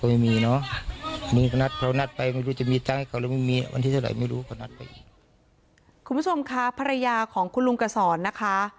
ขอบคุณครับคุณครับคุณผู้ชมครับภรรยาของคุณลุงกษรนะคะ